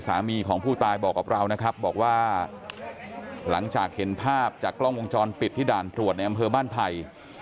สามีของผู้ตายบอกกับเรานะครับบอกว่าหลังจากเห็นภาพจากกล้องวงจรปิดที่ด่านตรวจในอำเภอบ้านไผ่